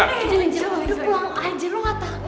anjel pulang aja lo gak tahu